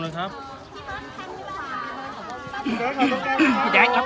หลุงเข้าหลุงลุกครับ